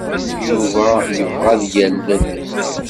Yuba yebɣa ad yalel.